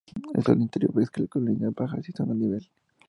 El suelo interior mezcla colinas bajas y zonas a nivel.